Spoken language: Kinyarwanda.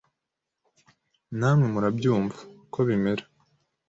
namwe murabyumva.uko bimera